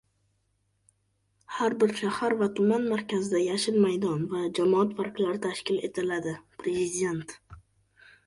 Har bir shahar va tuman markazida "yashil maydon" va jamoat parklari tashkil etiladi – Prezident